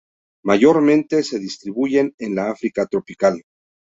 Mayormente se distribuyen en la África tropical.